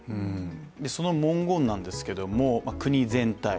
その文言なんですけれども「国全体」